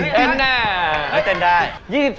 เต้นเนี่ย